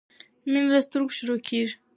مينه له سترګو شروع کیږی